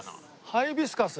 ハイビスカス。